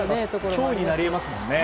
脅威になり得ますもんね。